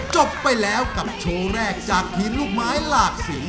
จบไปแล้วกับโชว์แรกจากทีมลูกไม้หลากสี